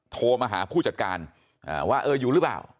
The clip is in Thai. โทรมาหาผู้จัดการว่าเอออยู่หรือเปล่า